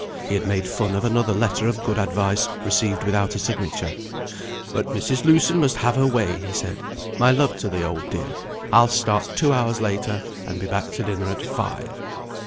He had made fun of another letter of good advice, received without a signature. "But Mrs. Lewson must have her way," he said. "My love to the old dear I'll start two hours later, and be back to dinner at five."